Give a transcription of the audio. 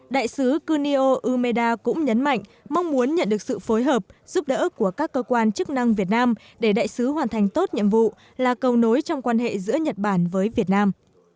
đại sứ kunio umeda cũng nhấn mạnh mong muốn nhận được sự phối hợp giúp đỡ của các cơ quan chức năng việt nam để đại sứ hoàn thành tốt nhiệm vụ là cầu nối trong quan hệ giữa nhật bản với việt nam